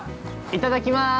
◆いただきます。